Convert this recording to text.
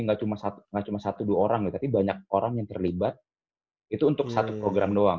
nggak cuma satu dua orang tapi banyak orang yang terlibat itu untuk satu program doang